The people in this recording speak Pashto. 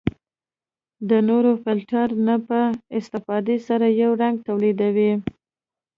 د نوري فلټر نه په استفادې سره یو رنګ تولیدوي.